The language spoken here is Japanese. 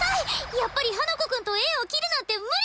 やっぱり花子くんと縁を切るなんて無理！